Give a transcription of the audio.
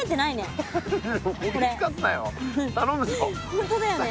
本当だよね。